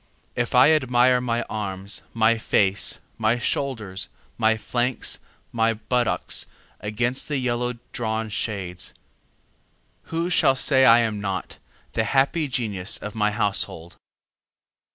If I admire my arms, my face, my shoulders, flanks, buttocks against the yellow drawn shades, Who shall say I am not the happy genius of my household?